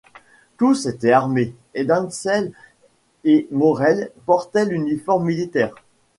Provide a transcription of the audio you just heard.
Tous étaient armés, et Dansey et Morell portaient l’uniforme militaire.